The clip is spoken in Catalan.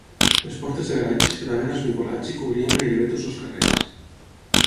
Les portes de garatges quedaven esmicolats i cobrien gairebé tots els carrers.